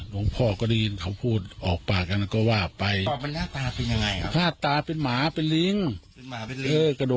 หลวงพ่อก็ได้ยินเขาพูดออกปากันก็ว่าไปปอบมันหน้าตาเป็นยังไงครับ